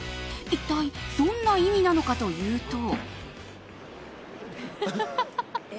一体どんな意味なのかというと。